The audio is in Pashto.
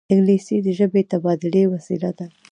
انګلیسي د ژبني تبادلې وسیله ده